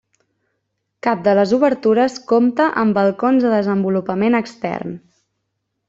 Cap de les obertures compta amb balcons de desenvolupament extern.